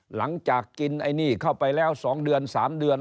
หลังจากกินไอ้นี่เข้าไปแล้ว๒เดือน๓เดือน